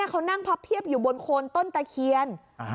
เขานั่งพับเพียบอยู่บนโคนต้นตะเคียน